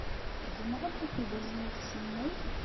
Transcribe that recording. Tzemreḍ ad t-id-tazneḍ s yimayl?